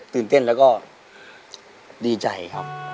ตื่นเต้นแล้วก็ดีใจครับ